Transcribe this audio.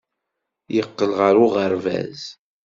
Yeqqel ɣer uɣerbaz.